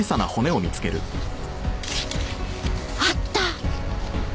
あった。